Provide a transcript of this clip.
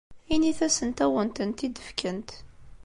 Init-asent ad awen-tent-id-fkent.